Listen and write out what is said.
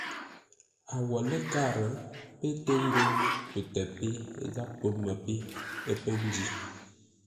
A wo ləkâr pə́ tə ghó pətə́ pé gháp pəmə́ pé pə́ njí.